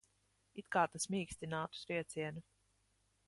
It kā tas mīkstinātu triecienu.